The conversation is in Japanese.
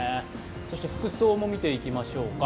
そして服装も見ていきましょうか。